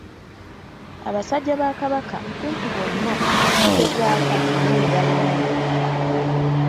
Abasajja ba kabaka kumpi bonna bagezaako naye ne balemwa.